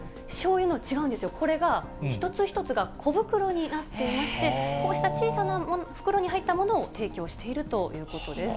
違うんですよ、これが一つ一つが小袋になっていまして、こうした小さな袋に入ったものを提供しているということです。